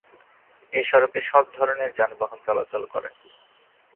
এ সড়কে সব ধরণের যানবাহন চলাচল করে।